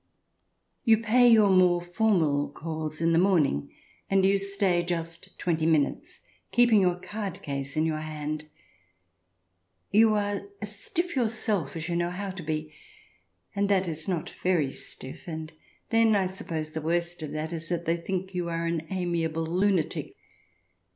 You pay your more formal calls in the morning and you stay just twenty minutes, keeping your card case in your hand. You are stiflf yourself as you know how to be, and that is not very stiff, and then I suppose the worst of that is they think you are an amiable lunatic.